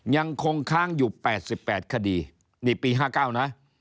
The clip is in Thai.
ยังคงค้างอยู่แปดสิบแปดคดีนี่ปีห้าเก้านะ